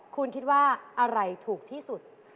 คุณคิดว่าอะไรถูกที่สุด